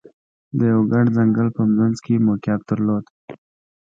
د یوه ګڼ ځنګل په منځ کې موقعیت درلود.